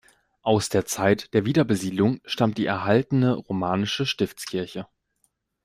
Aus der Zeit der Wiederbesiedlung stammt die erhaltene romanische Stiftskirche.